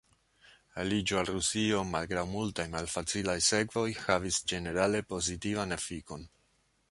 Aliĝo al Rusio malgraŭ multaj malfacilaj sekvoj havis ĝenerale pozitivan efikon.